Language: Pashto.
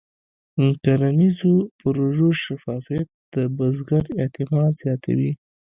د کرنیزو پروژو شفافیت د بزګر اعتماد زیاتوي.